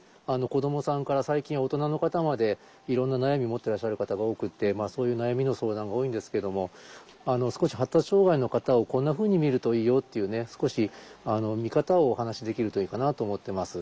子どもさんから最近は大人の方までいろんな悩み持っていらっしゃる方が多くてそういう悩みの相談が多いんですけども少し発達障害の方をこんなふうに見るといいよっていう少し見方をお話しできるといいかなと思っています。